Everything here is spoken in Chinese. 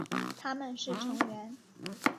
他们是成员。